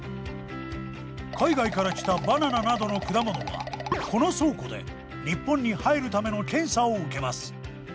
海外から来たバナナなどの果物はこの倉庫で日本に入るための検査を受けます。